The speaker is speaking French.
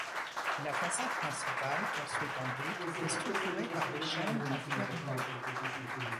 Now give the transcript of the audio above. La façade principale, construite en briques, est structurée par des chaînes en pierre bleue.